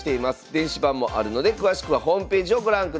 電子版もあるので詳しくはホームページをご覧ください。